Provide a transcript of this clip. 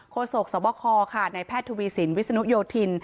โศกสวบคค่ะในแพทย์ทวีสินวิศนุโยธิน